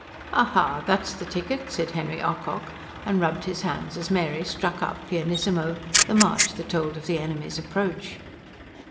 "Aha! that's the ticket," said Henry Ocock, and rubbed his hands as Mary struck up, pianissimo, the march that told of the enemy's approach.